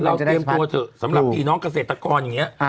เตรียมตัวเถอะสำหรับพี่น้องเกษตรกรอย่างนี้